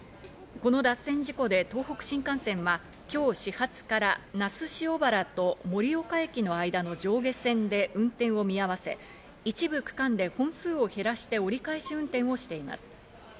この脱線事故で東北新幹線は今日始発から那須塩原と盛岡駅の間の上下線で運転を見合わせ、一部区間で本数を減らして折り返し運転をしています。